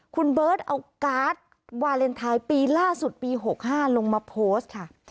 คุณเบิร์ตเอาการ์ดวาเลนไทยปีล่าสุดปี๖๕ลงมาโพสต์ค่ะ